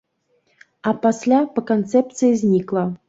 А пасля, па канцэпцыі, знікла.